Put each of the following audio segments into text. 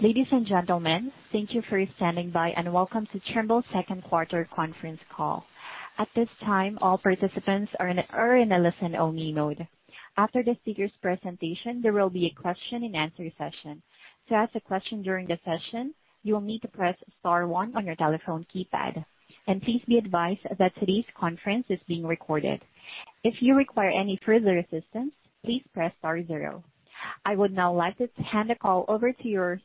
Ladies and gentlemen, thank you for standing by, and welcome to Trimble second quarter conference call. At this time, all participants are in a listen-only mode. After the speakers' presentation, there will be a question-and-answer session. To ask a question during the session, you will need to press star one on your telephone keypad. Please be advised that today's conference is being recorded. If you require any further assistance, please press star zero. I would now like to hand the call over to your speaker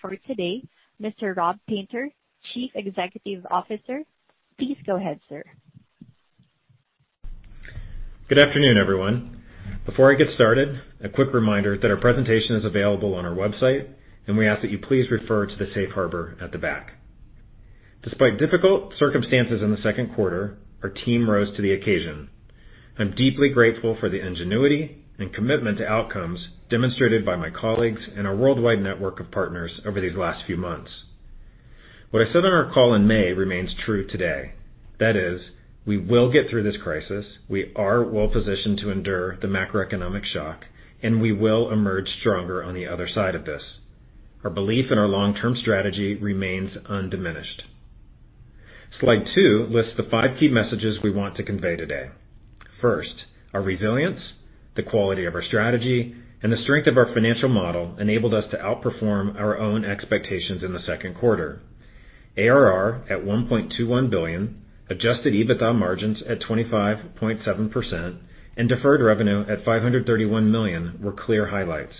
for today, Mr. Rob Painter, Chief Executive Officer. Please go ahead, sir. Good afternoon, everyone. Before I get started, a quick reminder that our presentation is available on our website, and we ask that you please refer to the safe harbor at the back. Despite difficult circumstances in the second quarter, our team rose to the occasion. I'm deeply grateful for the ingenuity and commitment to outcomes demonstrated by my colleagues and our worldwide network of partners over these last few months. What I said on our call in May remains true today. That is, we will get through this crisis, we are well positioned to endure the macroeconomic shock, and we will emerge stronger on the other side of this. Our belief in our long-term strategy remains undiminished. Slide two lists the five key messages we want to convey today. First, our resilience, the quality of our strategy, and the strength of our financial model enabled us to outperform our own expectations in the second quarter. ARR at $1.21 billion, adjusted EBITDA margins at 25.7%, and deferred revenue at $531 million were clear highlights.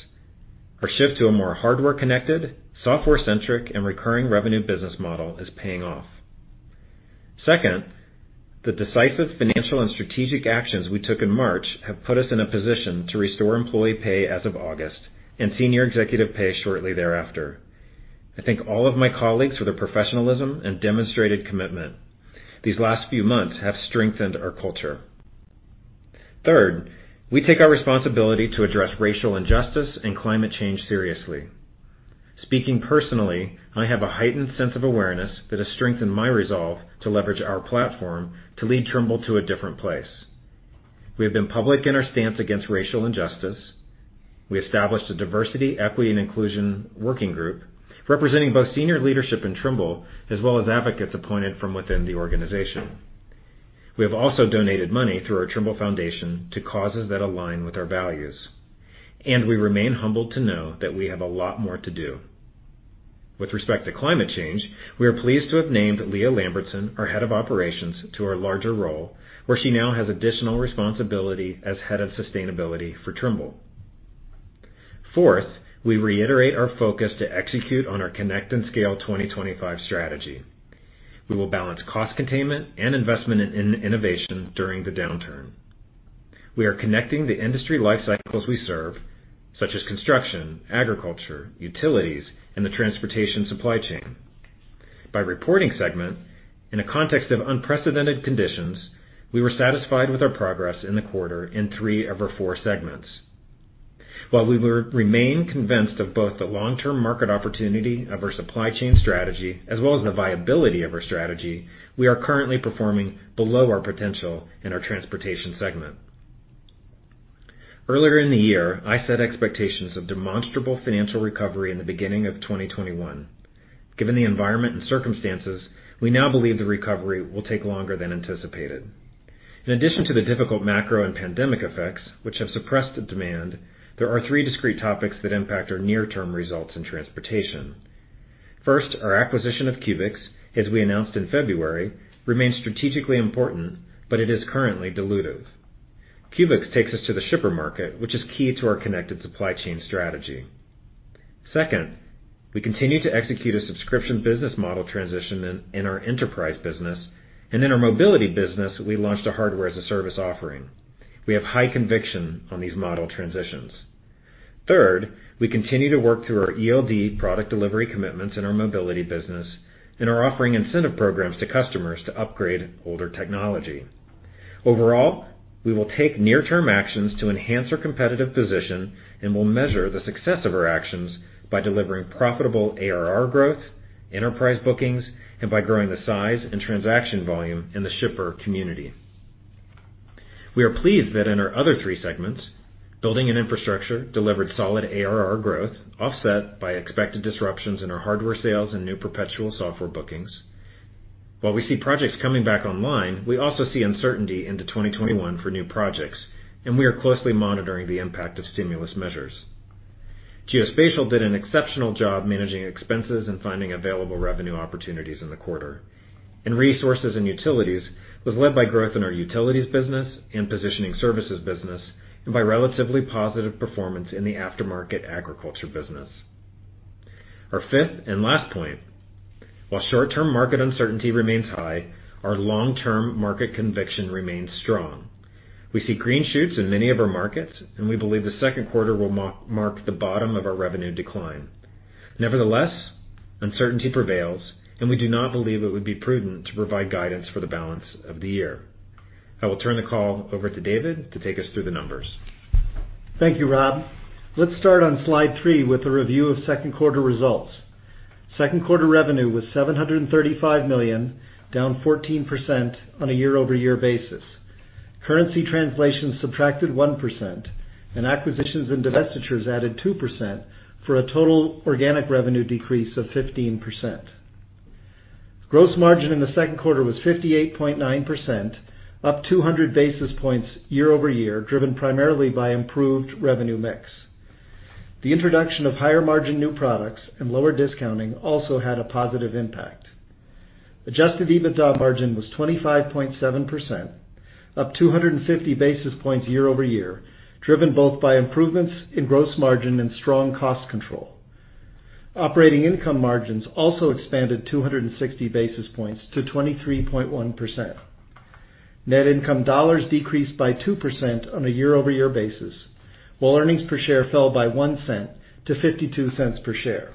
Our shift to a more hardware connected, software centric, and recurring revenue business model is paying off. Second, the decisive financial and strategic actions we took in March have put us in a position to restore employee pay as of August, and senior executive pay shortly thereafter. I thank all of my colleagues for their professionalism and demonstrated commitment. These last few months have strengthened our culture. Third, we take our responsibility to address racial injustice and climate change seriously. Speaking personally, I have a heightened sense of awareness that has strengthened my resolve to leverage our platform to lead Trimble to a different place. We have been public in our stance against racial injustice. We established a diversity, equity, and inclusion working group representing both senior leadership in Trimble as well as advocates appointed from within the organization. We have also donated money through our Trimble Foundation to causes that align with our values, and we remain humbled to know that we have a lot more to do. With respect to climate change, we are pleased to have named Leah Lambertson, our head of operations, to her larger role, where she now has additional responsibility as head of sustainability for Trimble. Fourth, we reiterate our focus to execute on our Connect and Scale 2025 strategy. We will balance cost containment and investment in innovation during the downturn. We are connecting the industry life cycles we serve, such as construction, agriculture, utilities, and the transportation supply chain. By reporting segment, in a context of unprecedented conditions, we were satisfied with our progress in the quarter in three of our four segments. While we will remain convinced of both the long-term market opportunity of our supply chain strategy as well as the viability of our strategy, we are currently performing below our potential in our transportation segment. Earlier in the year, I set expectations of demonstrable financial recovery in the beginning of 2021. Given the environment and circumstances, we now believe the recovery will take longer than anticipated. In addition to the difficult macro and pandemic effects, which have suppressed the demand, there are three discrete topics that impact our near-term results in transportation. First, our acquisition of Kuebix, as we announced in February, remains strategically important, but it is currently dilutive. Kuebix takes us to the shipper market, which is key to our connected supply chain strategy. Second, we continue to execute a subscription business model transition in our enterprise business, and in our mobility business, we launched a hardware as a service offering. We have high conviction on these model transitions. Third, we continue to work through our ELD product delivery commitments in our mobility business and are offering incentive programs to customers to upgrade older technology. Overall, we will take near-term actions to enhance our competitive position and will measure the success of our actions by delivering profitable ARR growth, enterprise bookings, and by growing the size and transaction volume in the shipper community. We are pleased that in our other three segments, Buildings and Infrastructure delivered solid ARR growth, offset by expected disruptions in our hardware sales and new perpetual software bookings. While we see projects coming back online, we also see uncertainty into 2021 for new projects, we are closely monitoring the impact of stimulus measures. Geospatial did an exceptional job managing expenses and finding available revenue opportunities in the quarter. Resources and Utilities was led by growth in our utilities business and positioning services business and by relatively positive performance in the aftermarket agriculture business. Our fifth and last point. While short-term market uncertainty remains high, our long-term market conviction remains strong. We see green shoots in many of our markets, and we believe the second quarter will mark the bottom of our revenue decline. Nevertheless, uncertainty prevails, and we do not believe it would be prudent to provide guidance for the balance of the year. I will turn the call over to David to take us through the numbers. Thank you, Rob. Let's start on slide three with a review of second quarter results. Second quarter revenue was $735 million, down 14% on a year-over-year basis. Currency translation subtracted 1%, and acquisitions and divestitures added 2%, for a total organic revenue decrease of 15%. Gross margin in the second quarter was 58.9%, up 200 basis points year-over-year, driven primarily by improved revenue mix. The introduction of higher margin new products and lower discounting also had a positive impact. Adjusted EBITDA margin was 25.7%, up 250 basis points year-over-year, driven both by improvements in gross margin and strong cost control. Operating income margins also expanded 260 basis points to 23.1%. Net income dollars decreased by 2% on a year-over-year basis, while earnings per share fell by $0.01 -$0.52 per share.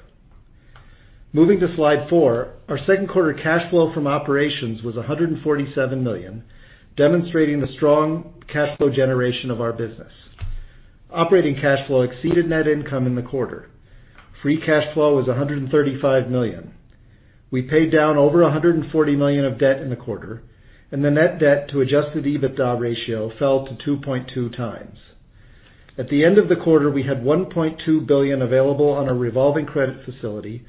Moving to slide four, our second quarter cash flow from operations was $147 million, demonstrating the strong cash flow generation of our business. Operating cash flow exceeded net income in the quarter. Free cash flow was $135 million. We paid down over $140 million of debt in the quarter, and the net debt to adjusted EBITDA ratio fell to 2.2x. At the end of the quarter, we had $1.2 billion available on a revolving credit facility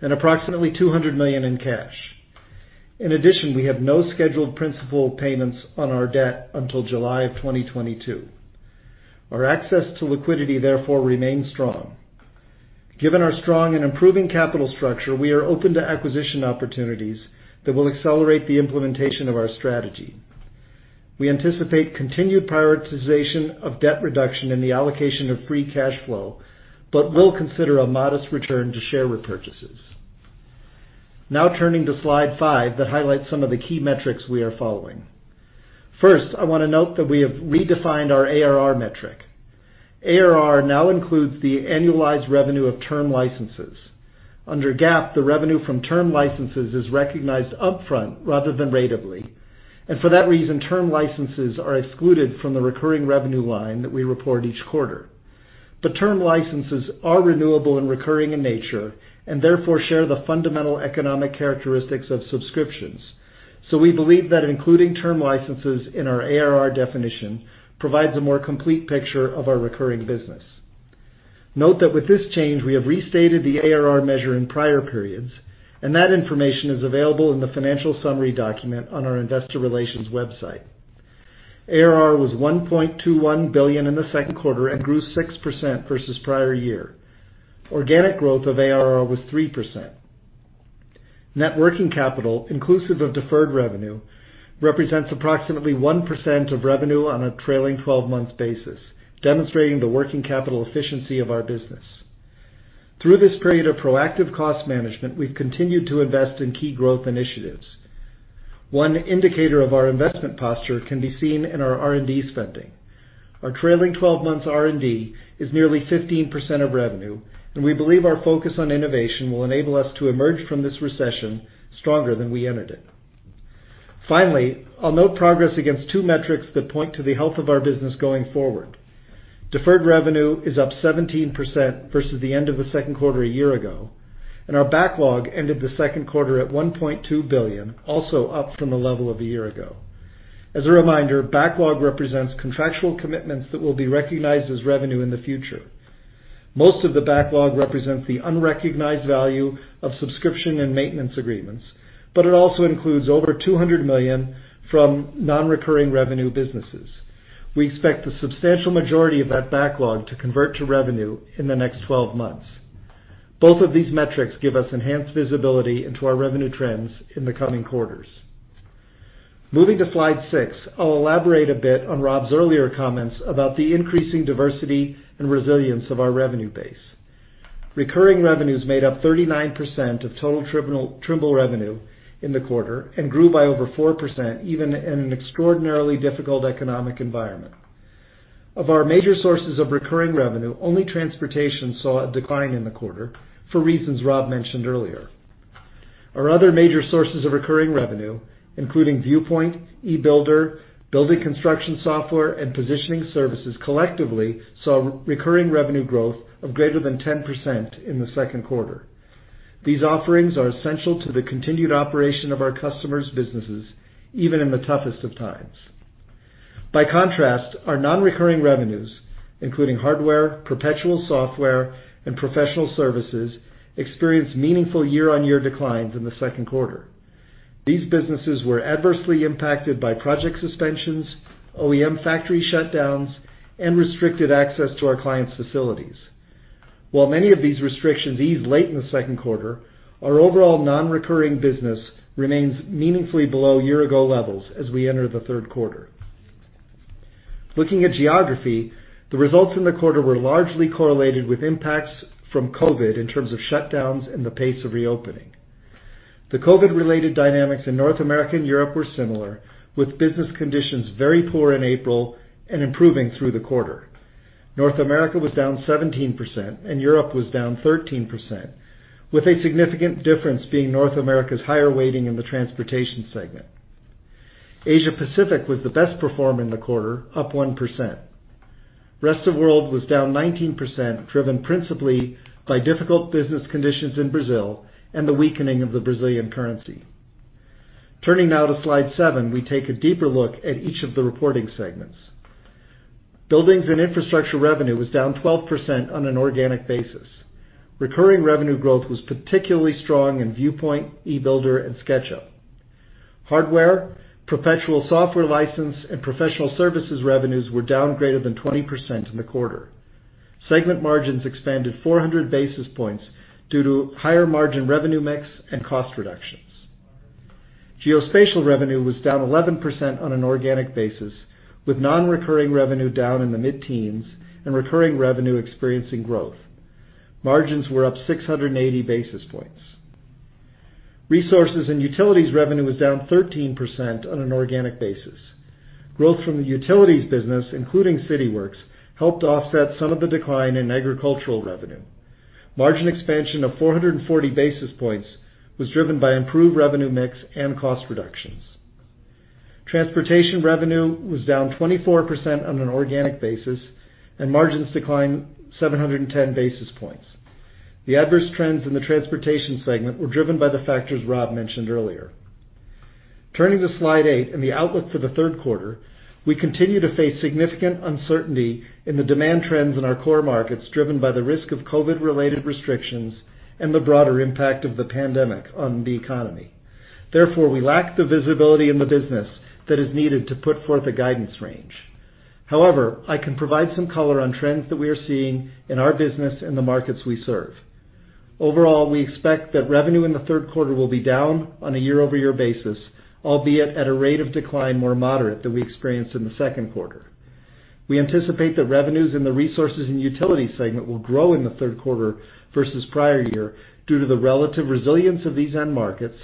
and approximately $200 million in cash. In addition, we have no scheduled principal payments on our debt until July of 2022. Our access to liquidity therefore remains strong. Given our strong and improving capital structure, we are open to acquisition opportunities that will accelerate the implementation of our strategy. We anticipate continued prioritization of debt reduction in the allocation of free cash flow, but will consider a modest return to share repurchases. Now turning to slide five, that highlights some of the key metrics we are following. First, I want to note that we have redefined our ARR metric. ARR now includes the annualized revenue of term licenses. Under GAAP, the revenue from term licenses is recognized upfront rather than ratably. For that reason, term licenses are excluded from the recurring revenue line that we report each quarter. Term licenses are renewable and recurring in nature, and therefore share the fundamental economic characteristics of subscriptions. We believe that including term licenses in our ARR definition provides a more complete picture of our recurring business. Note that with this change, we have restated the ARR measure in prior periods, and that information is available in the financial summary document on our investor relations website. ARR was $1.21 billion in the second quarter and grew 6% versus prior year. Organic growth of ARR was 3%. Net working capital, inclusive of deferred revenue, represents approximately 1% of revenue on a trailing 12-month basis, demonstrating the working capital efficiency of our business. Through this period of proactive cost management, we've continued to invest in key growth initiatives. One indicator of our investment posture can be seen in our R&D spending. Our trailing 12 months R&D is nearly 15% of revenue, and we believe our focus on innovation will enable us to emerge from this recession stronger than we entered it. Finally, I'll note progress against two metrics that point to the health of our business going forward. Deferred revenue is up 17% versus the end of the second quarter a year ago, and our backlog ended the second quarter at $1.2 billion, also up from the level of a year ago. As a reminder, backlog represents contractual commitments that will be recognized as revenue in the future. Most of the backlog represents the unrecognized value of subscription and maintenance agreements, but it also includes over $200 million from non-recurring revenue businesses. We expect the substantial majority of that backlog to convert to revenue in the next 12 months. Both of these metrics give us enhanced visibility into our revenue trends in the coming quarters. Moving to slide six, I'll elaborate a bit on Rob's earlier comments about the increasing diversity and resilience of our revenue base. Recurring revenues made up 39% of total Trimble revenue in the quarter and grew by over 4%, even in an extraordinarily difficult economic environment. Of our major sources of recurring revenue, only transportation saw a decline in the quarter, for reasons Rob mentioned earlier. Our other major sources of recurring revenue, including Viewpoint, e-Builder, building construction software, and positioning services, collectively saw recurring revenue growth of greater than 10% in the second quarter. These offerings are essential to the continued operation of our customers' businesses, even in the toughest of times. By contrast, our non-recurring revenues, including hardware, perpetual software, and professional services, experienced meaningful year-on-year declines in the second quarter. These businesses were adversely impacted by project suspensions, OEM factory shutdowns, and restricted access to our clients' facilities. While many of these restrictions eased late in the second quarter, our overall non-recurring business remains meaningfully below year-ago levels as we enter the third quarter. Looking at geography, the results in the quarter were largely correlated with impacts from COVID in terms of shutdowns and the pace of reopening. The COVID-related dynamics in North America and Europe were similar, with business conditions very poor in April and improving through the quarter. North America was down 17% and Europe was down 13%, with a significant difference being North America's higher weighting in the transportation segment. Asia Pacific was the best performer in the quarter, up 1%. Rest of world was down 19%, driven principally by difficult business conditions in Brazil and the weakening of the Brazilian currency. Turning now to slide seven, we take a deeper look at each of the reporting segments. Buildings and Infrastructure revenue was down 12% on an organic basis. Recurring revenue growth was particularly strong in Viewpoint, e-Builder, and SketchUp. Hardware, perpetual software license, and professional services revenues were down greater than 20% in the quarter. Segment margins expanded 400 basis points due to higher margin revenue mix and cost reductions. Geospatial revenue was down 11% on an organic basis, with non-recurring revenue down in the mid-teens and recurring revenue experiencing growth. Margins were up 680 basis points. Resources and Utilities revenue was down 13% on an organic basis. Growth from the utilities business, including Cityworks, helped offset some of the decline in agricultural revenue. Margin expansion of 440 basis points was driven by improved revenue mix and cost reductions. Transportation revenue was down 24% on an organic basis, and margins declined 710 basis points. The adverse trends in the transportation segment were driven by the factors Rob mentioned earlier. Turning to slide eight and the outlook for the third quarter, we continue to face significant uncertainty in the demand trends in our core markets, driven by the risk of COVID-related restrictions and the broader impact of the pandemic on the economy. Therefore, we lack the visibility in the business that is needed to put forth a guidance range. However, I can provide some color on trends that we are seeing in our business and the markets we serve. Overall, we expect that revenue in the third quarter will be down on a year-over-year basis, albeit at a rate of decline more moderate than we experienced in the second quarter. We anticipate that revenues in the Resources and Utilities Segment will grow in the third quarter versus the prior year due to the relative resilience of these end markets,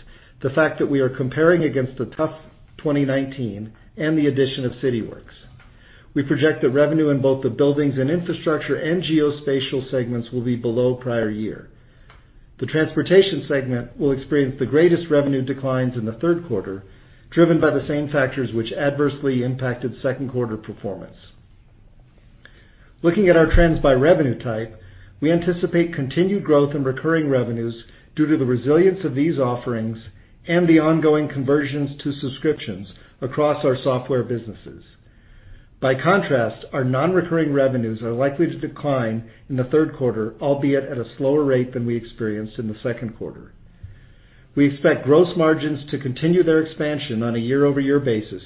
the fact that we are comparing against a tough 2019, and the addition of Cityworks. We project that revenue in both the Buildings and Infrastructure and Geospatial Segments will be below the prior year. The transportation segment will experience the greatest revenue declines in the third quarter, driven by the same factors which adversely impacted second quarter performance. Looking at our trends by revenue type, we anticipate continued growth in recurring revenues due to the resilience of these offerings and the ongoing conversions to subscriptions across our software businesses. Our non-recurring revenues are likely to decline in the third quarter, albeit at a slower rate than we experienced in the second quarter. We expect gross margins to continue their expansion on a year-over-year basis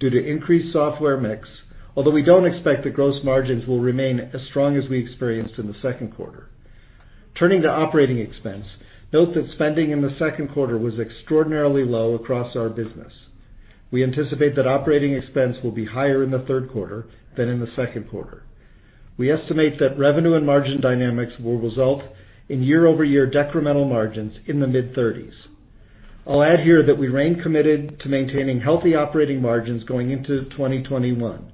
due to increased software mix, although we don't expect that gross margins will remain as strong as we experienced in the second quarter. Turning to operating expense, note that spending in the second quarter was extraordinarily low across our business. We anticipate that operating expense will be higher in the third quarter than in the second quarter. We estimate that revenue and margin dynamics will result in year-over-year decremental margins in the mid-30s. I'll add here that we remain committed to maintaining healthy operating margins going into 2021.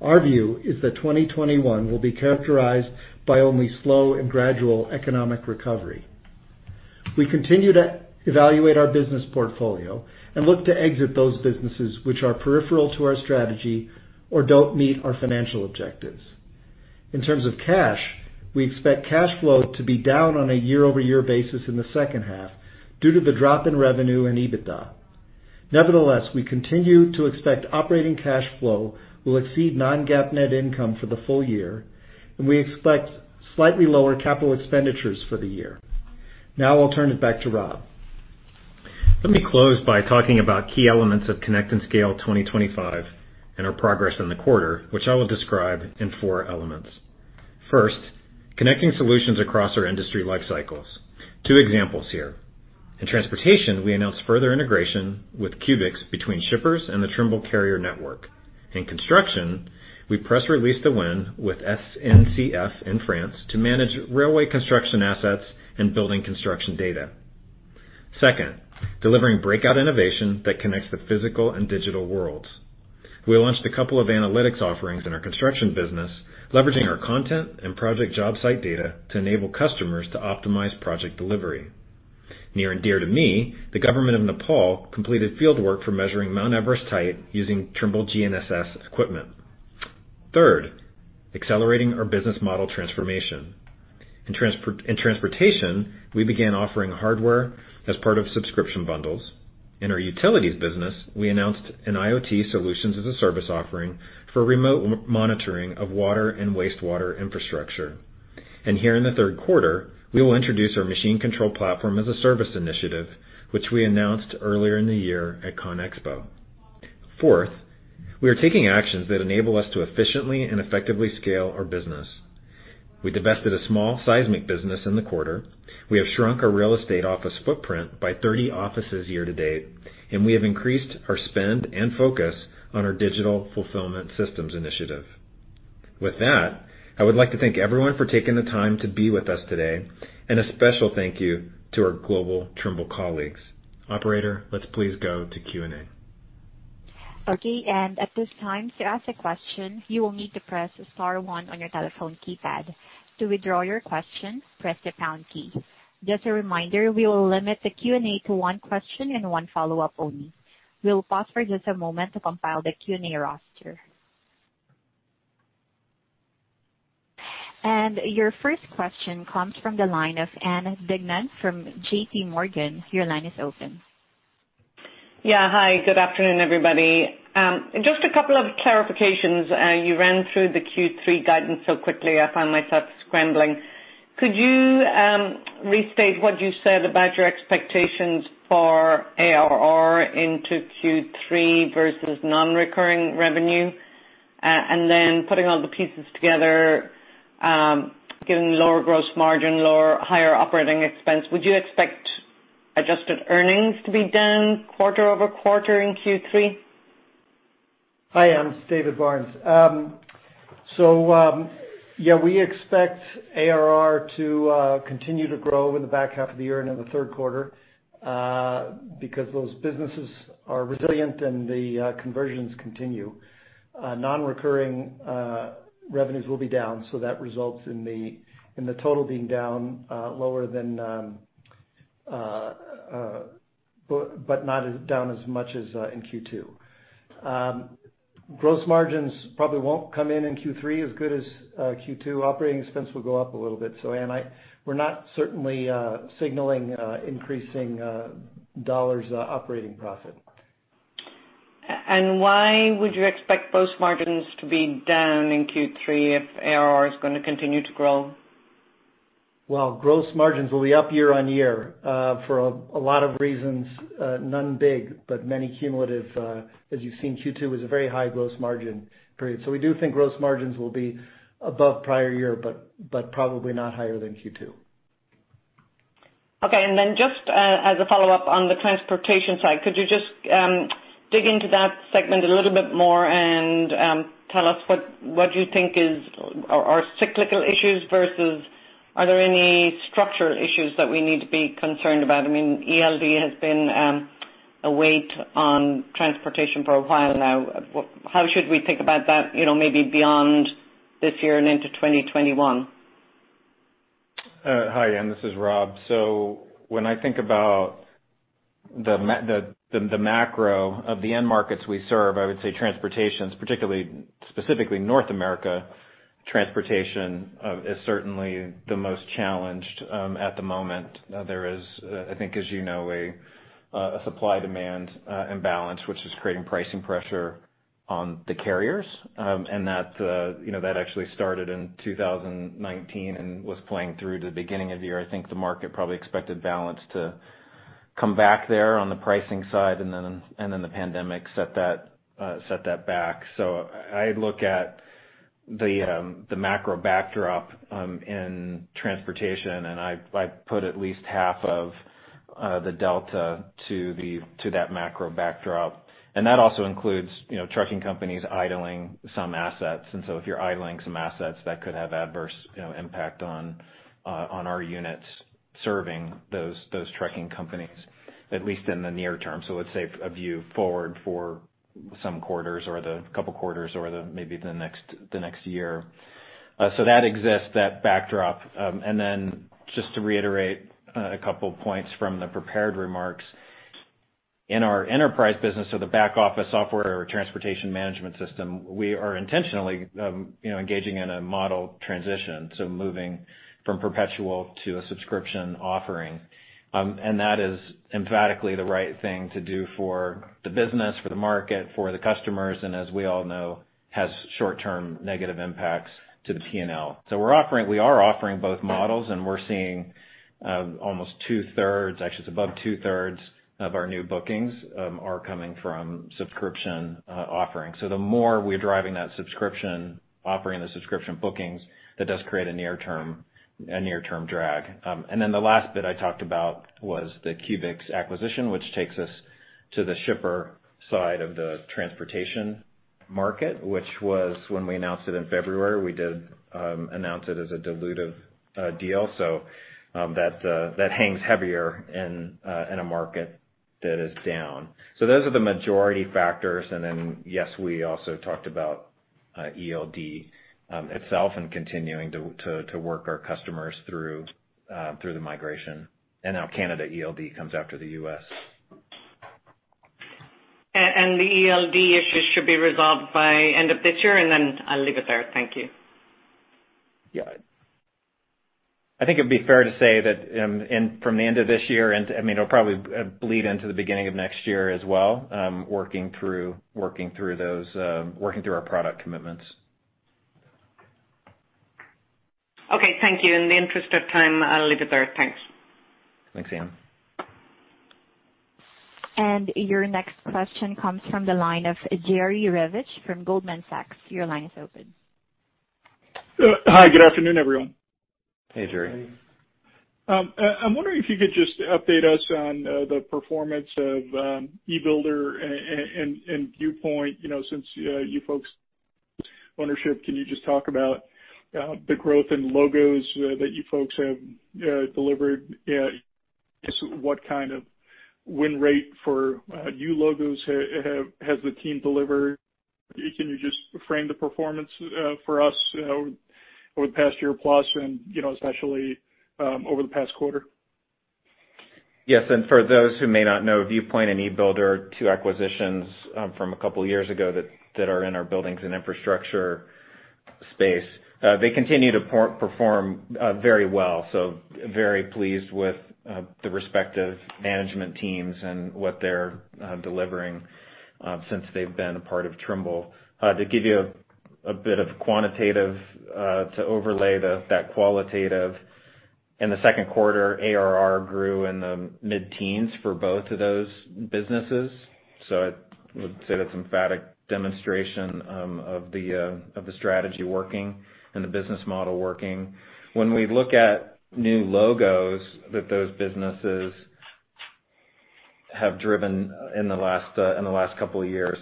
Our view is that 2021 will be characterized by only slow and gradual economic recovery. We continue to evaluate our business portfolio and look to exit those businesses which are peripheral to our strategy or don't meet our financial objectives. In terms of cash, we expect cash flow to be down on a year-over-year basis in the second half due to the drop in revenue and EBITDA. Nevertheless, we continue to expect operating cash flow will exceed non-GAAP net income for the full-year, and we expect slightly lower capital expenditures for the year. Now, I'll turn it back to Rob. Let me close by talking about key elements of Connect and Scale 2025 and our progress in the quarter, which I will describe in four elements. First, connecting solutions across our industry lifecycles. Two examples here. In transportation, we announced further integration with Kuebix between shippers and the Trimble carrier network. In construction, we press released a win with SNCF in France to manage railway construction assets and building construction data. Second, delivering breakout innovation that connects the physical and digital worlds. We launched a couple of analytics offerings in our construction business, leveraging our content and project job site data to enable customers to optimize project delivery. Near and dear to me, the government of Nepal completed fieldwork for measuring Mount Everest's height using Trimble GNSS equipment. Third, accelerating our business model transformation. In transportation, we began offering hardware as part of subscription bundles. In our utilities business, we announced an IoT solutions as a service offering for remote monitoring of water and wastewater infrastructure. Here in the third quarter, we will introduce our machine control platform as a service initiative, which we announced earlier in the year at CONEXPO. Fourth, we are taking actions that enable us to efficiently and effectively scale our business. We divested a small seismic business in the quarter. We have shrunk our real estate office footprint by 30 offices year to date, and we have increased our spend and focus on our digital fulfillment systems initiative. With that, I would like to thank everyone for taking the time to be with us today, and a special thank you to our global Trimble colleagues. Operator, let's please go to Q&A. Okay. At this time, to ask a question, you will need to press star one on your telephone keypad. To withdraw your question, press the pound key. Just a reminder, we will limit the Q&A to one question and one follow-up only. We'll pause for just a moment to compile the Q&A roster. Your first question comes from the line of Ann Duignan from JPMorgan. Your line is open. Yeah. Hi, good afternoon, everybody. Just a couple of clarifications. You ran through the Q3 guidance so quickly I found myself scrambling. Could you restate what you said about your expectations for ARR into Q3 versus non-recurring revenue? Putting all the pieces together, given lower gross margin, higher operating expense, would you expect adjusted earnings to be down quarter-over-quarter in Q3? Hi, Ann. It's David Barnes. Yeah, we expect ARR to continue to grow over the back half of the year and in the third quarter because those businesses are resilient and the conversions continue. Non-recurring revenues will be down, so that results in the total being down lower but not down as much as in Q2. Gross margins probably won't come in in Q3 as good as Q2. Operating expense will go up a little bit. Ann, we're not certainly signaling increasing dollars operating profit. Why would you expect gross margins to be down in Q3 if ARR is going to continue to grow? Well, gross margins will be up year-over-year, for a lot of reasons, none big, but many cumulative. As you've seen, Q2 was a very high gross margin period. We do think gross margins will be above prior year, but probably not higher than Q2. Okay. Just as a follow-up on the transportation side, could you just dig into that segment a little bit more and tell us what you think are cyclical issues versus are there any structural issues that we need to be concerned about? ELD has been a weight on transportation for a while now. How should we think about that maybe beyond this year and into 2021? Hi, Ann, this is Rob. When I think about the macro of the end markets we serve, I would say transportation, specifically North America transportation, is certainly the most challenged at the moment. There is, I think as you know, a supply-demand imbalance, which is creating pricing pressure on the carriers. That actually started in 2019 and was playing through to the beginning of the year. I think the market probably expected balance to come back there on the pricing side, and then the pandemic set that back. I look at the macro backdrop in transportation, and I put at least half of the delta to that macro backdrop. That also includes trucking companies idling some assets. If you're idling some assets, that could have adverse impact on our units serving those trucking companies, at least in the near-term. Let's say a view forward for some quarters or the couple quarters or maybe the next year. That exists, that backdrop. Just to reiterate a couple points from the prepared remarks. In our enterprise business, so the back office software or transportation management system, we are intentionally engaging in a model transition, so moving from perpetual to a subscription offering. That is emphatically the right thing to do for the business, for the market, for the customers, and as we all know, has short-term negative impacts to the P&L. We are offering both models, and we're seeing almost two-thirds, actually it's above two-thirds, of our new bookings are coming from subscription offerings. The more we're driving that subscription, offering the subscription bookings, that does create a near-term drag. The last bit I talked about was the Kuebix acquisition, which takes us to the shipper side of the transportation market, which was when we announced it in February, we did announce it as a dilutive deal. That hangs heavier in a market that is down. Those are the majority factors. Yes, we also talked about ELD itself and continuing to work our customers through the migration. Now Canada ELD comes after the U.S. The ELD issues should be resolved by end of this year? I'll leave it there. Thank you. Yeah. I think it'd be fair to say that from the end of this year, it'll probably bleed into the beginning of next year as well, working through our product commitments. Okay, thank you. In the interest of time, I'll leave it there. Thanks. Thanks, Ann. Your next question comes from the line of Jerry Revich from Goldman Sachs. Your line is open. Hi. Good afternoon, everyone. Hey, Jerry. Hey. I'm wondering if you could just update us on the performance of e-Builder and Viewpoint. Since you folks ownership, can you just talk about the growth in logos that you folks have delivered? Just what kind of win rate for new logos has the team delivered? Can you just frame the performance for us over the past year plus, and especially over the past quarter? Yes, for those who may not know, Viewpoint and e-Builder, two acquisitions from a couple of years ago that are in our Buildings and Infrastructure space. They continue to perform very well. Very pleased with the respective management teams and what they're delivering since they've been a part of Trimble. To give you a bit of quantitative to overlay that qualitative. In the second quarter, ARR grew in the mid-teens for both of those businesses. I would say that's emphatic demonstration of the strategy working and the business model working. When we look at new logos that those businesses have driven in the last couple of years.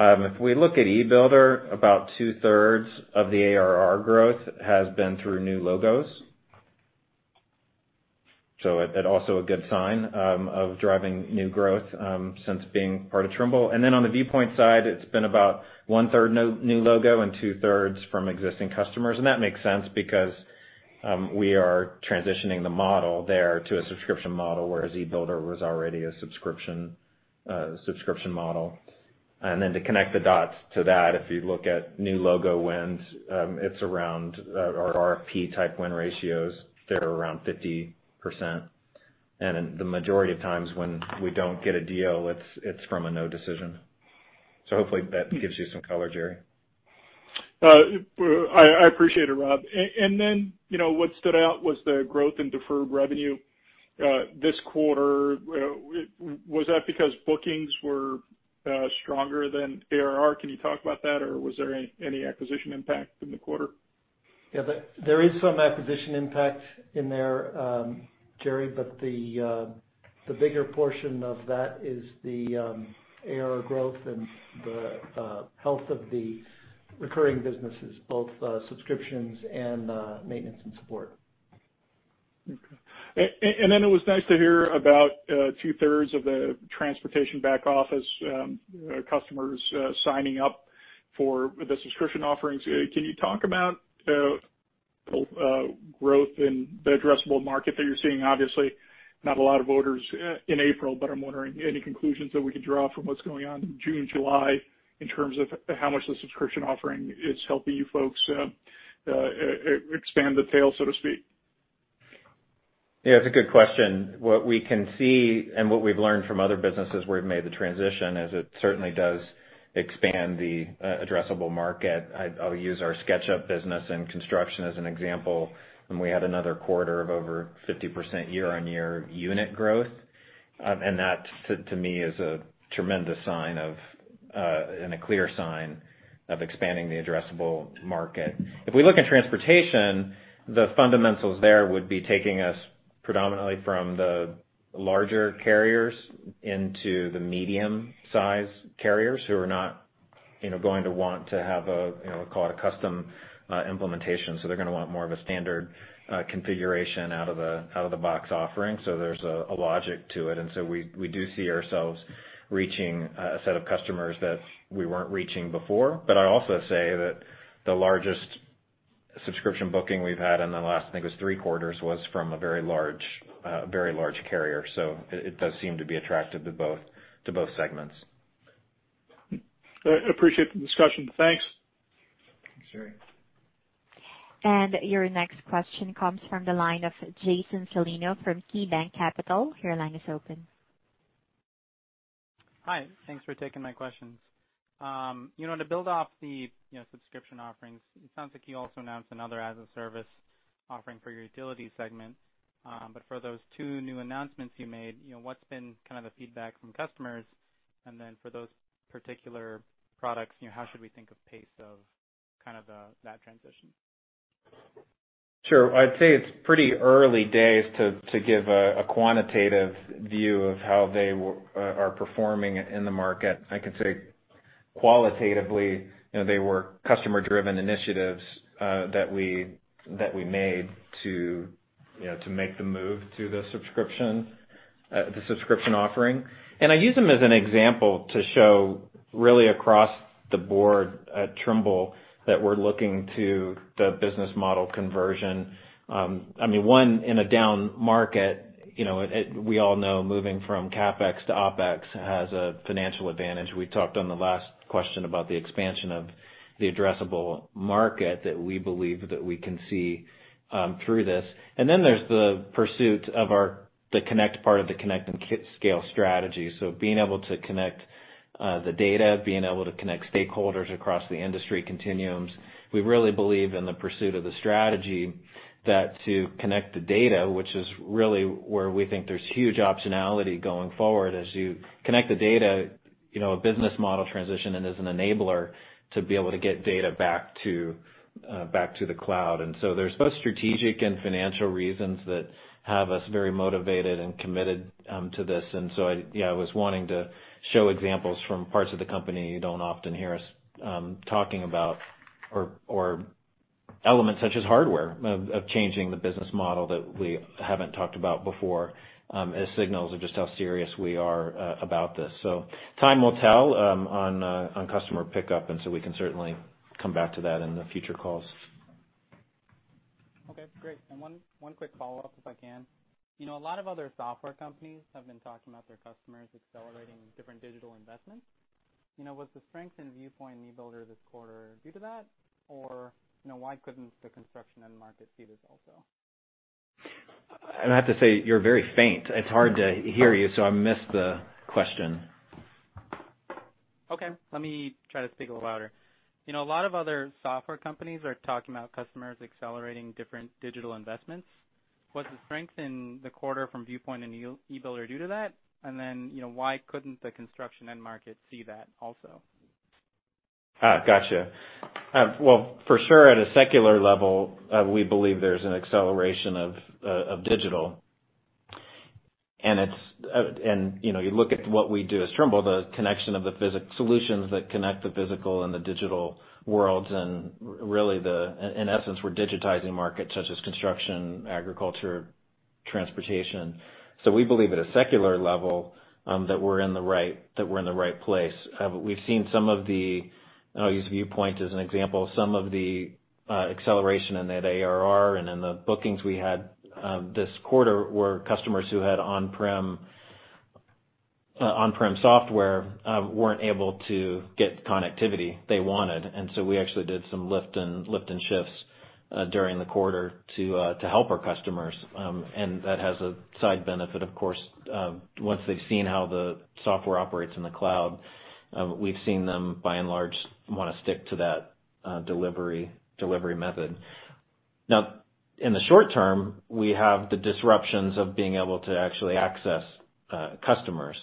If we look at e-Builder, about two-thirds of the ARR growth has been through new logos. Also a good sign of driving new growth since being part of Trimble. On the Viewpoint side, it's been about 1/3 new logo and 2/3 from existing customers. That makes sense because, we are transitioning the model there to a subscription model, whereas e-Builder was already a subscription model. To connect the dots to that, if you look at new logo wins, it's around our RFP type win ratios. They're around 50%. The majority of times when we don't get a deal, it's from a no decision. Hopefully that gives you some color, Jerry. I appreciate it, Rob. What stood out was the growth in deferred revenue, this quarter. Was that because bookings were stronger than ARR? Can you talk about that, or was there any acquisition impact in the quarter? Yeah. There is some acquisition impact in there, Jerry, but the bigger portion of that is the ARR growth and the health of the recurring businesses, both subscriptions and maintenance and support. Okay. It was nice to hear about two-thirds of the transportation back office customers signing up for the subscription offerings. Can you talk about growth in the addressable market that you're seeing? Obviously, not a lot of orders in April, I'm wondering any conclusions that we can draw from what's going on in June, July in terms of how much the subscription offering is helping you folks expand the tail, so to speak. It's a good question. What we can see and what we've learned from other businesses where we've made the transition is it certainly does expand the addressable market. I'll use our SketchUp business and construction as an example, and we had another quarter of over 50% year-on-year unit growth. That to me is a tremendous sign of, and a clear sign of expanding the addressable market. If we look at transportation, the fundamentals there would be taking us predominantly from the larger carriers into the medium size carriers who are not going to want to have a, we'll call it a custom implementation. They're going to want more of a standard configuration out of the box offering. There's a logic to it. We do see ourselves reaching a set of customers that we weren't reaching before. I also say that the largest subscription booking we've had in the last, I think it was three quarters, was from a very large carrier. It does seem to be attractive to both segments. I appreciate the discussion. Thanks. Thanks, Jerry. Your next question comes from the line of Jason Celino from KeyBanc Capital. Your line is open. Hi. Thanks for taking my questions. To build off the subscription offerings, it sounds like you also announced another as a service offering for your utility segment. For those two new announcements you made, what's been kind of the feedback from customers? Then for those particular products, how should we think of pace of that transition? Sure. I'd say it's pretty early days to give a quantitative view of how they are performing in the market. I can say qualitatively, they were customer-driven initiatives, that we made to make the move to the subscription offering. I use them as an example to show really across the board at Trimble that we're looking to the business model conversion. One, in a down market, we all know moving from CapEx to OpEx has a financial advantage. We talked on the last question about the expansion of the addressable market that we believe that we can see through this. There's the pursuit of the Connect part of the Connect and Scale strategy. Being able to connect the data, being able to connect stakeholders across the industry continuums. We really believe in the pursuit of the strategy that to connect the data, which is really where we think there's huge optionality going forward as you connect the data, a business model transition and as an enabler to be able to get data back to the cloud. There's both strategic and financial reasons that have us very motivated and committed to this. I was wanting to show examples from parts of the company you don't often hear us talking about or elements such as hardware, of changing the business model that we haven't talked about before, as signals of just how serious we are about this. Time will tell on customer pickup, and so we can certainly come back to that in the future calls. Okay, great. One quick follow-up, if I can. A lot of other software companies have been talking about their customers accelerating different digital investments. Was the strength in Viewpoint and e-Builder this quarter due to that? Or, why couldn't the construction end market see this also? I have to say, you're very faint. It's hard to hear you, so I missed the question. Okay. Let me try to speak a little louder. A lot of other software companies are talking about customers accelerating different digital investments. Was the strength in the quarter from Viewpoint and e-Builder due to that? Why couldn't the construction end market see that also? Gotcha. Well, for sure at a secular level, we believe there's an acceleration of digital. You look at what we do as Trimble, the solutions that connect the physical and the digital worlds and really, in essence, we're digitizing markets such as construction, agriculture, transportation. We believe at a secular level, that we're in the right place. We've seen some of the, and I'll use Viewpoint as an example, some of the acceleration in that ARR and in the bookings we had this quarter were customers who had on-prem software, weren't able to get the connectivity they wanted, and so we actually did some lift and shifts during the quarter to help our customers. That has a side benefit, of course. Once they've seen how the software operates in the cloud, we've seen them, by and large, want to stick to that delivery method. In the short term, we have the disruptions of being able to actually access customers.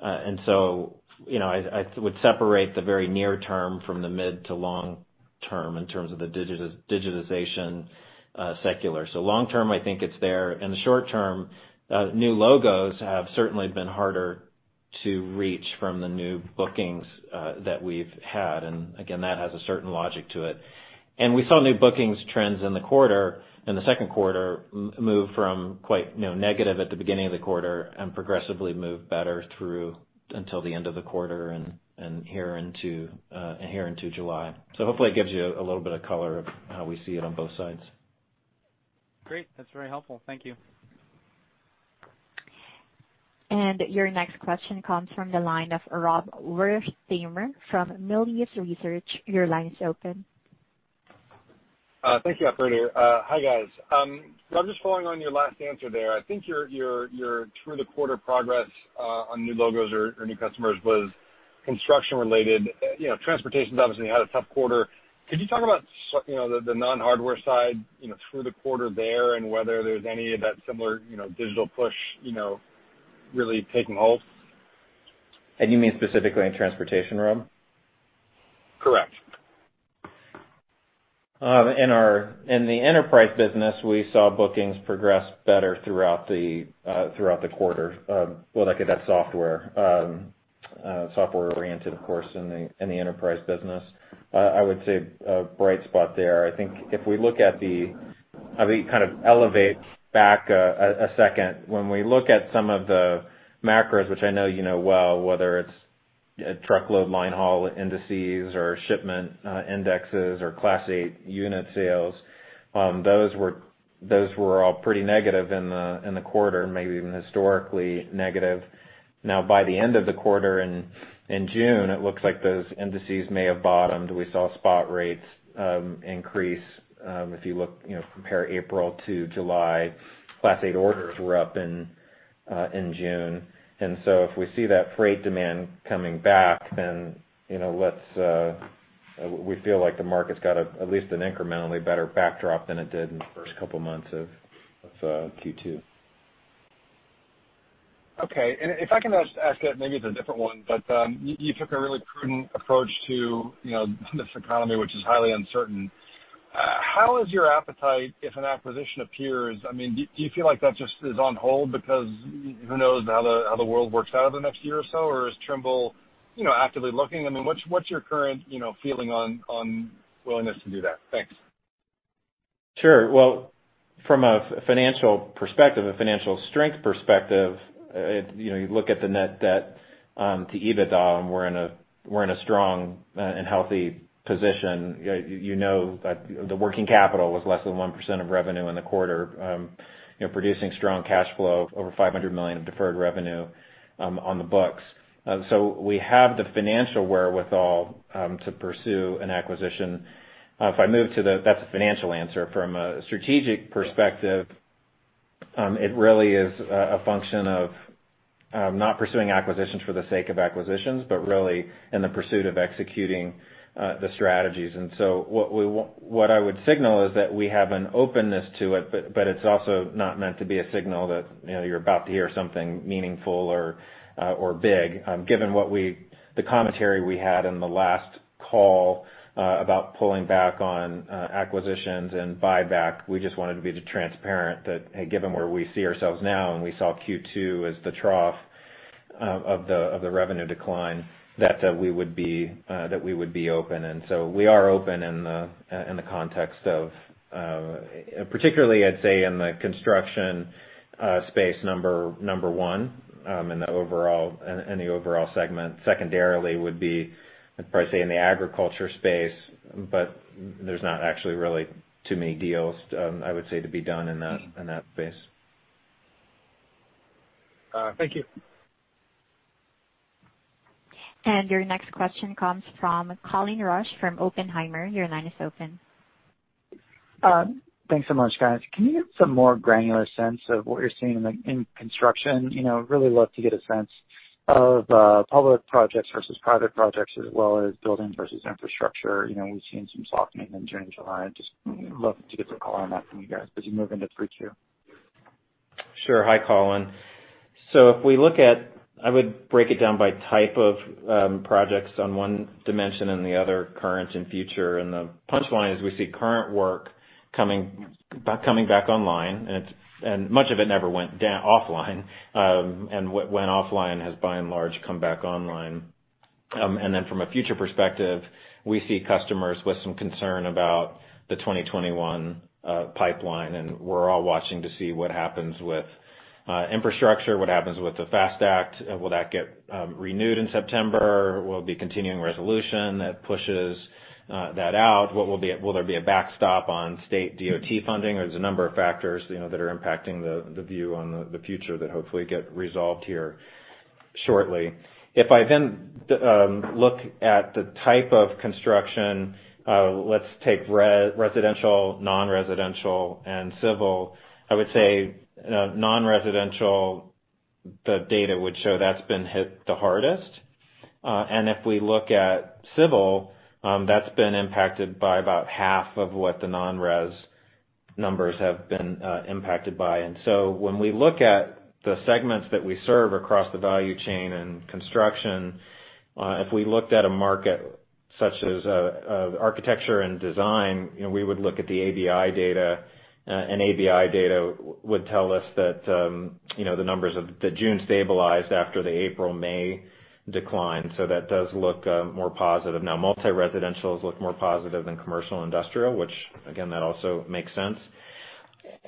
I would separate the very near-term from the mid to long term in terms of the digitization secular. Long term, I think it's there. In the short term, new logos have certainly been harder to reach from the new bookings that we've had. Again, that has a certain logic to it. We saw new bookings trends in the quarter, in the second quarter, move from quite negative at the beginning of the quarter and progressively move better through until the end of the quarter and here into July. Hopefully it gives you a little bit of color of how we see it on both sides. Great. That's very helpful. Thank you. Your next question comes from the line of Rob Wertheimer from Melius Research. Your line is open. Thank you, operator. Hi, guys. Rob, just following on your last answer there, I think your through-the-quarter progress, on new logos or new customers was construction related. Transportation's obviously had a tough quarter. Could you talk about the non-hardware side through the quarter there and whether there's any of that similar digital push really taking hold? You mean specifically in transportation, Rob? Correct. In the enterprise business, we saw bookings progress better throughout the quarter. Well, that software-oriented, of course, in the enterprise business. I would say a bright spot there. When we look at some of the macros, which I know you know well, whether it's truckload line haul indices or shipment indexes or Class 8 unit sales, those were all pretty negative in the quarter, maybe even historically negative. Now, by the end of the quarter in June, it looks like those indices may have bottomed. We saw spot rates increase. If you compare April to July, Class 8 orders were up in June. If we see that freight demand coming back, then we feel like the market's got at least an incrementally better backdrop than it did in the first couple of months of Q2. Okay. If I can just ask maybe it's a different one, you took a really prudent approach to this economy, which is highly uncertain. How is your appetite if an acquisition appears? Do you feel like that just is on hold because who knows how the world works out over the next year or so? Is Trimble actively looking? What's your current feeling on willingness to do that? Thanks. Well, from a financial perspective, a financial strength perspective, you look at the net debt to EBITDA, we're in a strong and healthy position. You know that the working capital was less than 1% of revenue in the quarter, producing strong cash flow, over $500 million of deferred revenue, on the books. We have the financial wherewithal to pursue an acquisition. That's a financial answer. From a strategic perspective, it really is a function of not pursuing acquisitions for the sake of acquisitions, really in the pursuit of executing the strategies. What I would signal is that we have an openness to it, but it's also not meant to be a signal that you're about to hear something meaningful or big. Given the commentary we had in the last call, about pulling back on acquisitions and buyback, we just wanted to be transparent that given where we see ourselves now, and we saw Q2 as the trough of the revenue decline, that we would be open. We are open in the context of, particularly, I'd say in the construction space, number one, in the overall segment. Secondarily would be, I'd probably say in the agriculture space, but there's not actually really too many deals, I would say, to be done in that space. Thank you. Your next question comes from Colin Rusch from Oppenheimer. Your line is open. Thanks so much, guys. Can you give some more granular sense of what you're seeing in construction? Really love to get a sense of public projects versus private projects, as well as building versus infrastructure. We've seen some softening in June and July. Just love to get the call on that from you guys as you move into 3Q. Sure. Hi, Colin. I would break it down by type of projects on one dimension and the other, current and future. The punchline is we see current work coming back online, and much of it never went offline. What went offline has by and large come back online. From a future perspective, we see customers with some concern about the 2021 pipeline, and we're all watching to see what happens with infrastructure, what happens with the FAST Act. Will that get renewed in September? Will it be continuing resolution that pushes that out? Will there be a backstop on state DOT funding? There's a number of factors that are impacting the view on the future that hopefully get resolved here shortly. If I look at the type of construction, let's take residential, non-residential, and civil. I would say non-residential, the data would show that's been hit the hardest. If we look at civil, that's been impacted by about half of what the non-res numbers have been impacted by. When we look at the segments that we serve across the value chain and construction, if we looked at a market such as architecture and design, we would look at the ABI data, and ABI data would tell us that the numbers-- that June stabilized after the April, May decline. That does look more positive. Now, multi-residentials look more positive than commercial industrial, which again, that also makes sense.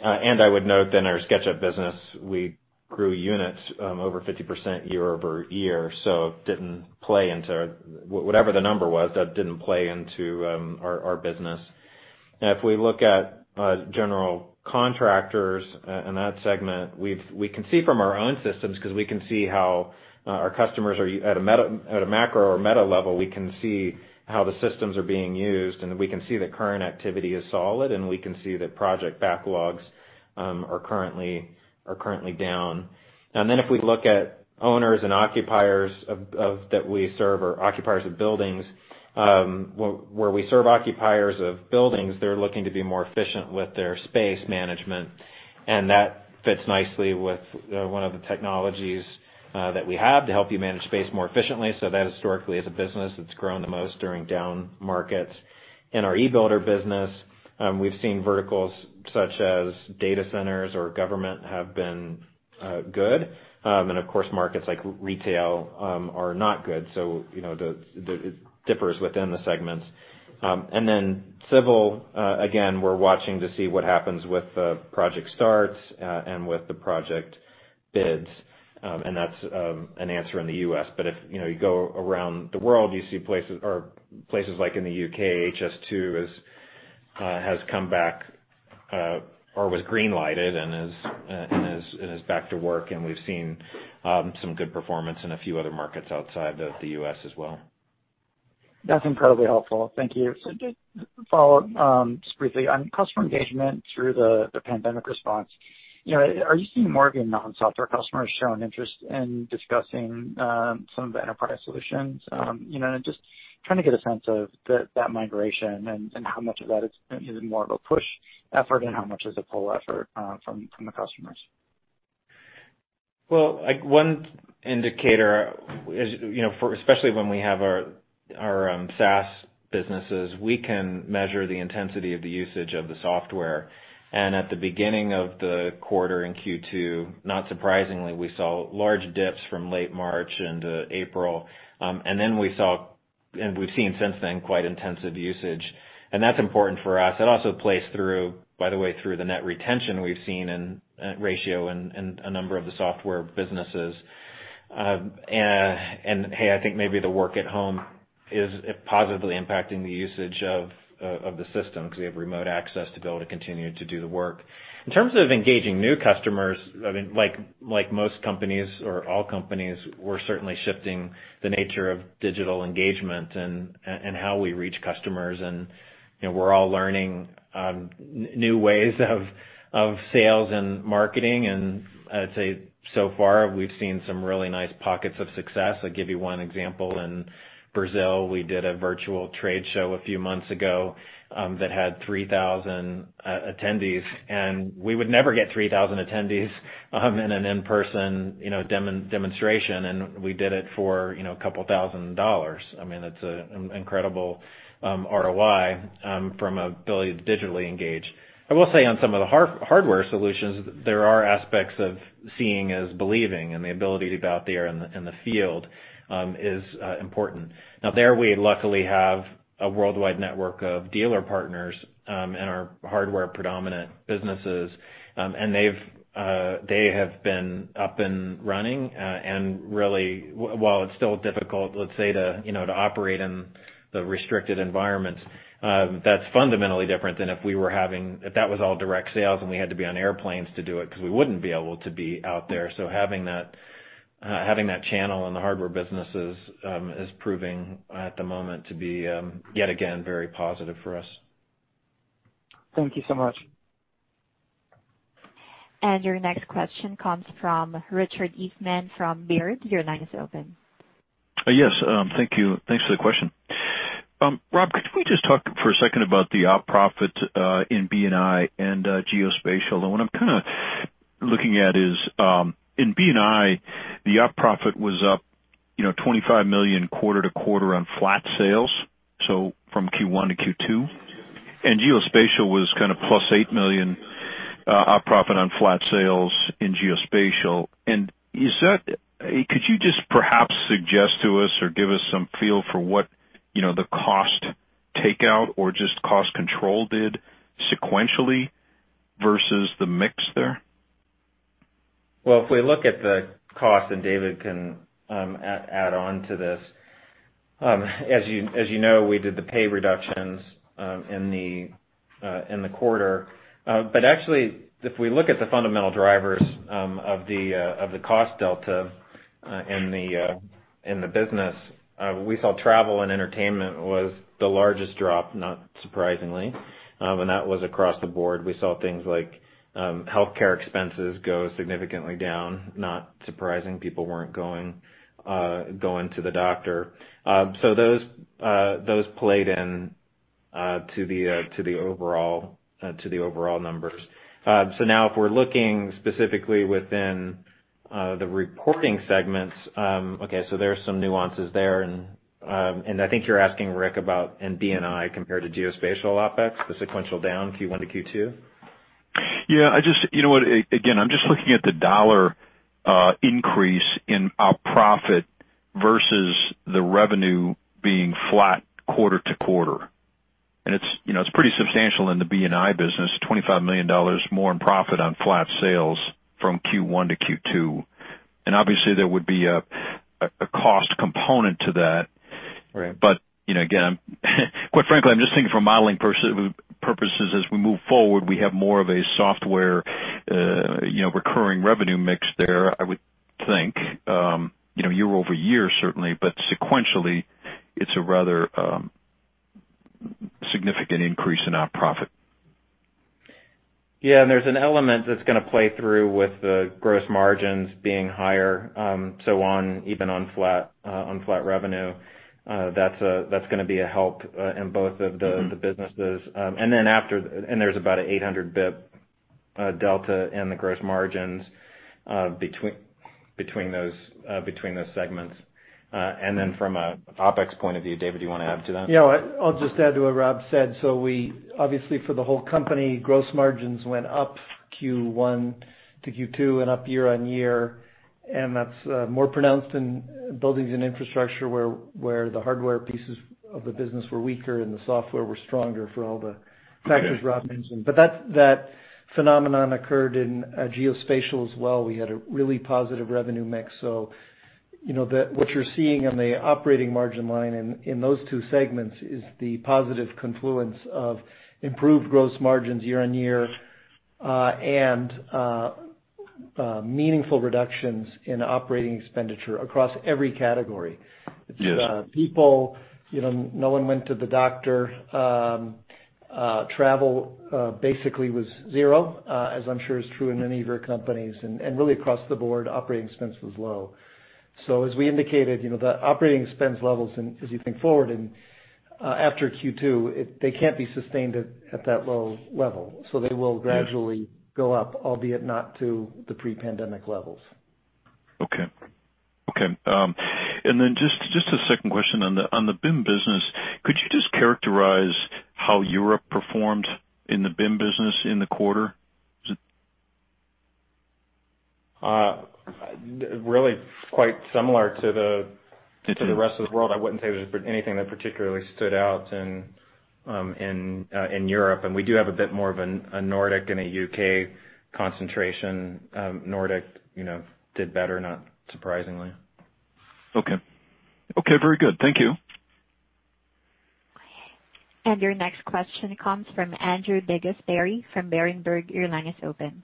I would note that in our SketchUp business, we grew units over 50% year-over-year, so whatever the number was, that didn't play into our business. If we look at general contractors and that segment, we can see from our own systems, because at a macro or meta level, we can see how the systems are being used, and we can see that current activity is solid, and we can see that project backlogs are currently down. If we look at owners and occupiers that we serve, or occupiers of buildings, where we serve occupiers of buildings, they're looking to be more efficient with their space management. That fits nicely with one of the technologies that we have to help you manage space more efficiently. That historically is a business that's grown the most during down markets. In our e-Builder business, we've seen verticals such as data centers or government have been good. Of course, markets like retail are not good. It differs within the segments. Civil, again, we're watching to see what happens with the project starts, and with the project bids. That's an answer in the U.S. If you go around the world, you see places like in the U.K., HS2 has come back or was greenlighted and is back to work, and we've seen some good performance in a few other markets outside the U.S. as well. That's incredibly helpful. Thank you. Just to follow up, just briefly on customer engagement through the pandemic response. Are you seeing more of your non-software customers showing interest in discussing some of the enterprise solutions? Just trying to get a sense of that migration and how much of that is more of a push effort, and how much is a pull effort from the customers. Well, one indicator, especially when we have our SaaS businesses, we can measure the intensity of the usage of the software. At the beginning of the quarter in Q2, not surprisingly, we saw large dips from late March into April. We've seen since then quite intensive usage. That's important for us. That also plays, by the way, through the net retention we've seen in ratio in a number of the software businesses. Hey, I think maybe the work at home is positively impacting the usage of the system, because we have remote access to be able to continue to do the work. In terms of engaging new customers, like most companies or all companies, we're certainly shifting the nature of digital engagement and how we reach customers. We're all learning new ways of sales and marketing. I'd say so far, we've seen some really nice pockets of success. I'll give you one example. In Brazil, we did a virtual trade show a few months ago that had 3,000 attendees, and we would never get 3,000 attendees in an in-person demonstration. We did it for a couple thousand dollars. It's an incredible ROI, from ability to digitally engage. I will say on some of the hardware solutions, there are aspects of seeing is believing, and the ability to be out there in the field is important. There, we luckily have a worldwide network of dealer partners in our hardware-predominant businesses. They have been up and running. Really, while it's still difficult, let's say, to operate in the restricted environments, that's fundamentally different than if that was all direct sales and we had to be on airplanes to do it because we wouldn't be able to be out there. Having that channel in the hardware businesses is proving at the moment to be, yet again, very positive for us. Thank you so much. Your next question comes from Richard Eastman from Baird. Your line is open. Yes. Thank you. Thanks for the question. Rob, could we just talk for a second about the op profit in B&I and Geospatial? What I'm kind of looking at is, in B&I, the op profit was up $25 million quarter-over-quarter on flat sales, so from Q1 to Q2. Geospatial was kind of plus $8 million op profit on flat sales in Geospatial. Could you just perhaps suggest to us or give us some feel for what the cost takeout or just cost control did sequentially versus the mix there? Well, if we look at the cost, and David can add on to this. As you know, we did the pay reductions in the quarter. Actually, if we look at the fundamental drivers of the cost delta in the business, we saw travel and entertainment was the largest drop, not surprisingly. That was across the board. We saw things like healthcare expenses go significantly down. Not surprising, people weren't going to the doctor. Those played in to the overall numbers. Now if we're looking specifically within the reporting segments, okay, there's some nuances there. I think you're asking, Rick, about in B&I compared to Geospatial OpEx, the sequential down Q1 - Q2? Yeah. Again, I'm just looking at the dollar increase in op profit versus the revenue being flat quarter-to-quarter. It's pretty substantial in the B&I business, $25 million more in profit on flat sales from Q1 - Q2. Obviously there would be a cost component to that. Right. Again, quite frankly, I'm just thinking for modeling purposes as we move forward, we have more of a software recurring revenue mix there, I would think, year-over-year certainly, but sequentially it's a rather significant increase in op profit. Yeah. There's an element that's going to play through with the gross margins being higher. Even on flat revenue, that's going to be a help in both of the businesses. There's about a 800 basis points delta in the gross margins between those segments. From a OpEx point of view, David, do you want to add to that? Yeah. I'll just add to what Rob said. Obviously for the whole company, gross margins went up Q1 -Q2 and up year-on-year, and that's more pronounced in Buildings and Infrastructure where the hardware pieces of the business were weaker and the software were stronger for all the factors Rob mentioned. That phenomenon occurred in Geospatial as well. We had a really positive revenue mix. What you're seeing on the operating margin line in those two segments is the positive confluence of improved gross margins year-on-year, and meaningful reductions in operating expenditure across every category. Yes. People, no one went to the doctor. Travel basically was zero, as I'm sure is true in many of your companies. Really across the board, operating expense was low. As we indicated, the operating expense levels as you think forward and after Q2, they can't be sustained at that low level. They will gradually go up, albeit not to the pre-pandemic levels. Okay. Then just a second question on the BIM business, could you just characterize how Europe performed in the BIM business in the quarter? Really quite similar to the rest of the world. I wouldn't say there's anything that particularly stood out in Europe. We do have a bit more of a Nordic and a U.K. concentration. Nordic did better, not surprisingly. Okay. Very good. Thank you. Your next question comes from Andrew DeGasperi from Berenberg. Your line is open.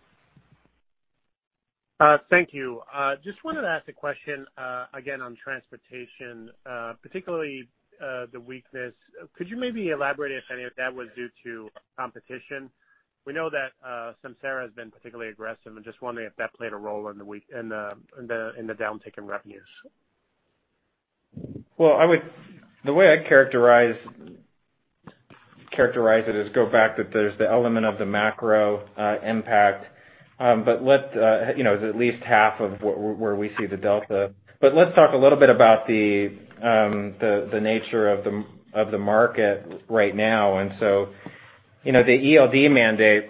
Thank you. Just wanted to ask a question, again, on transportation, particularly the weakness. Could you maybe elaborate if any of that was due to competition? We know that Samsara has been particularly aggressive, and just wondering if that played a role in the downtick in revenues. Well, the way I'd characterize it is go back that there's the element of the macro impact. At least half of where we see the delta. Let's talk a little bit about the nature of the market right now. The ELD mandate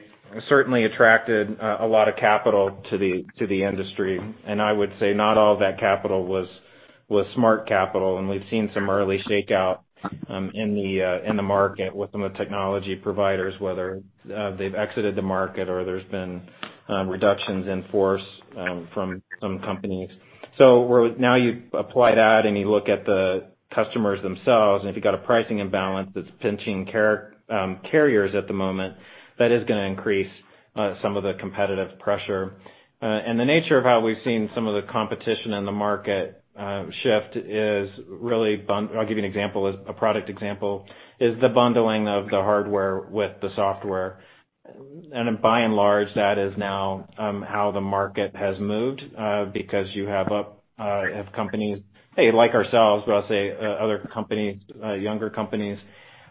certainly attracted a lot of capital to the industry, and I would say not all of that capital was smart capital, and we've seen some early shakeout in the market with some of the technology providers, whether they've exited the market or there's been reductions in force from some companies. Now you apply that and you look at the customers themselves, and if you've got a pricing imbalance that's pinching carriers at the moment, that is going to increase some of the competitive pressure. The nature of how we've seen some of the competition in the market shift is really I'll give you a product example, is the bundling of the hardware with the software. By and large, that is now how the market has moved, because you have companies, A, like ourselves, but I'll say other companies, younger companies,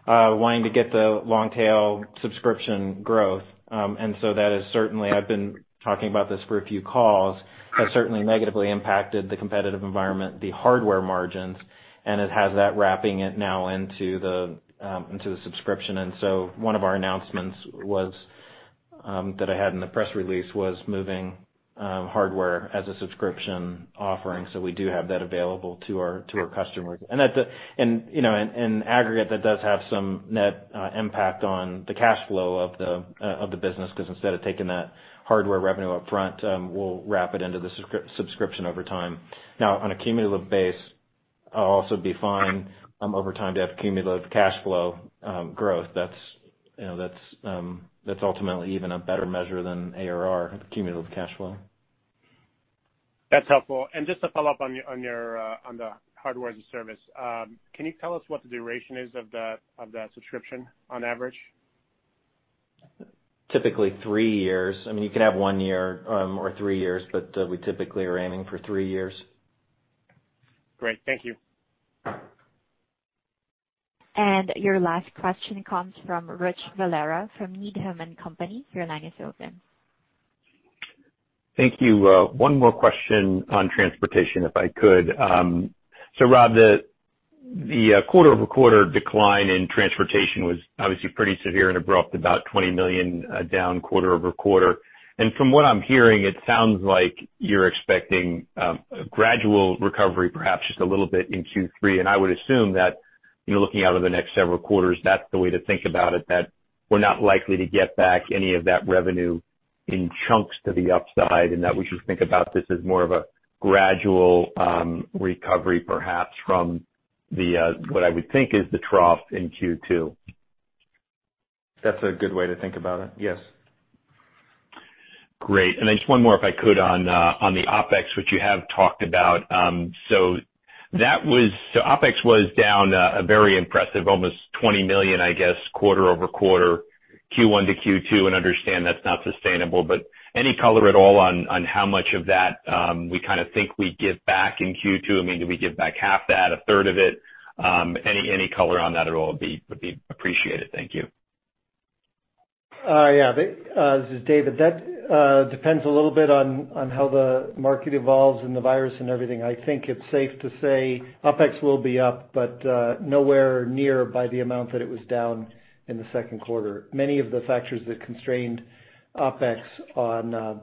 wanting to get the long tail subscription growth. That has certainly, I've been talking about this for a few calls, has certainly negatively impacted the competitive environment, the hardware margins, and it has that wrapping it now into the subscription. One of our announcements that I had in the press release was moving hardware as a subscription offering. We do have that available to our customers. In aggregate, that does have some net impact on the cash flow of the business, because instead of taking that hardware revenue up front, we'll wrap it into the subscription over time. On a cumulative base, I'll also be fine over time to have cumulative cash flow growth. That's ultimately even a better measure than ARR cumulative cash flow. That's helpful. Just to follow up on the hardware as a service, can you tell us what the duration is of that subscription on average? Typically three years. You can have one year or three years, but we typically are aiming for three years. Great. Thank you. Your last question comes from Rich Valera from Needham & Company. Your line is open. Thank you. One more question on transportation, if I could. Rob, the quarter-over-quarter decline in transportation was obviously pretty severe, it brought up about $20 million down quarter-over-quarter. From what I'm hearing, it sounds like you're expecting a gradual recovery, perhaps just a little bit in Q3. I would assume that looking out over the next several quarters, that's the way to think about it, that we're not likely to get back any of that revenue in chunks to the upside, we should think about this as more of a gradual recovery, perhaps from what I would think is the trough in Q2. That's a good way to think about it, yes. Great. Just one more, if I could, on the OpEx, which you have talked about. OpEx was down a very impressive, almost $20 million, I guess, quarter-over-quarter, Q1 to Q2, and understand that's not sustainable, but any color at all on how much of that we think we get back in Q2? Do we give back half that, a third of it? Any color on that at all would be appreciated. Thank you. Yeah. This is David. That depends a little bit on how the market evolves and the virus and everything. I think it's safe to say OpEx will be up, but nowhere near by the amount that it was down in the second quarter. Many of the factors that constrained OpEx on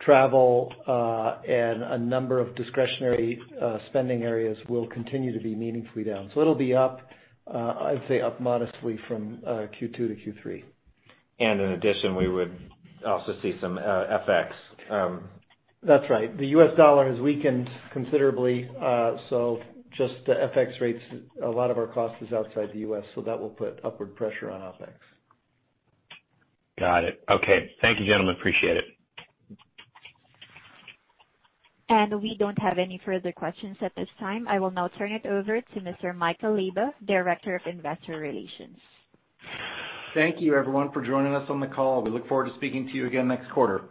travel and a number of discretionary spending areas will continue to be meaningfully down. It'll be up, I'd say, up modestly from Q2 - Q3. In addition, we would also see some FX. That's right. The U.S. dollar has weakened considerably, so just the FX rates, a lot of our cost is outside the U.S., so that will put upward pressure on OpEx. Got it. Okay. Thank you, gentlemen. Appreciate it. We don't have any further questions at this time. I will now turn it over to Mr. Michael Leyba, Director of Investor Relations. Thank you, everyone, for joining us on the call. We look forward to speaking to you again next quarter.